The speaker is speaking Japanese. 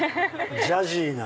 ジャジーな。